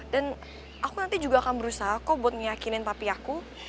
dan aku nanti juga akan berusaha kok buat ngeyakinin papi aku